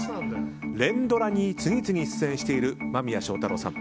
連ドラに次々出演している間宮祥太朗さん。